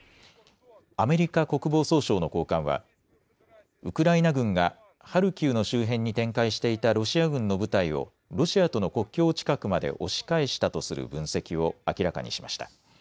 アメリカ国防総省の高官はウクライナ軍がハルキウの周辺に展開していたロシア軍の部隊をロシアとの国境近くまで押し返したとする分析を明らかにしました。